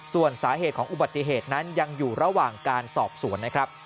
ส่วนสาเหตุของอุบัติเหตุนั้นยังอยู่ระหว่างการสอบสวนนะครับ